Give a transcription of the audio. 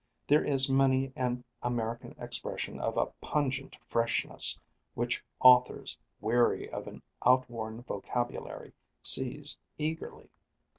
There is many an American expression of a pungent freshness which authors, weary of an outworn vocabulary, seize eagerly.